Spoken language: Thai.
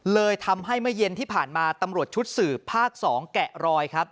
เลยทำให้เมื่อเย็นที่ผ่านมาตำรวจชุดสืบภาค๒แกะรอยครับ